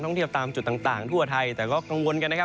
เทียบตามจุดต่างทั่วไทยแต่ก็กังวลกันนะครับ